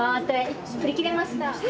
売り切れました。